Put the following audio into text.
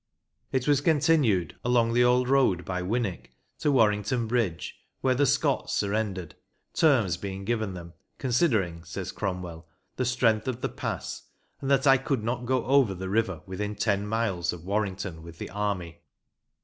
It was continued along the old road by Winwick to Warrington Bridge, where the Scots surrendered, terms being given them, " considering," says Cromwell, " the strength of the pass, and that I could not go over the river within ten miles of Warrington with the army."